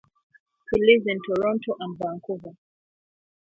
He lives in Toronto and Vancouver.